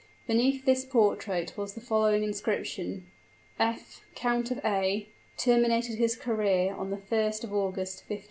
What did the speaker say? Beneath this portrait was the following inscription: "F., Count of A., terminated his career on the 1st of August, 1517."